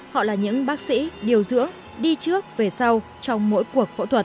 họ là những bác sĩ điều dưỡng đi trước về sau trong mỗi cuộc phẫu thuật